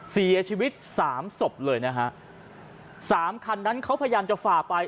เสียชีวิตสามศพเลยนะฮะสามคันนั้นเขาพยายามจะฝ่าไป